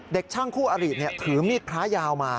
เด็กช่างคู่อรีศเนี่ยถือมีดพระยาวมา